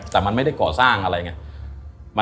แต่มันไม่ได้ก่อสร้างอะไรอย่างนี้